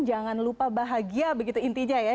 jangan lupa bahagia begitu intinya ya